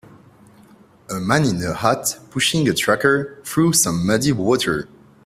A man in a hat pushing a tracker through some muddy water